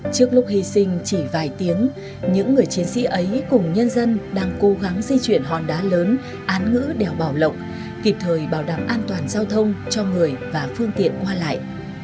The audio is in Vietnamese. trước lúc hy sinh chỉ vài tiếng những người chiến sĩ ấy cùng nhân dân đang cố gắng di chuyển hòn đá lớn án ngữ đèo bảo lộc kịp thời bảo đảm an toàn giao thông cho người và phương tiện qua lại